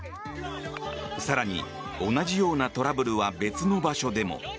更に同じようなトラブルは別の場所でも。